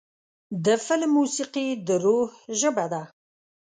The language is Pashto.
د فلم موسیقي د روح ژبه ده.